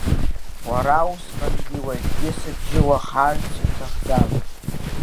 Уара усҟангьы уажәгьы сыбжьы уаҳарц уҭахӡам.